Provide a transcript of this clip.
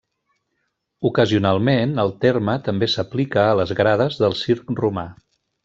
Ocasionalment, el terme també s'aplica a les grades del circ romà.